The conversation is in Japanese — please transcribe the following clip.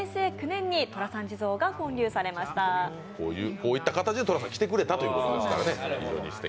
こういった形で寅さん、来てくれたということです。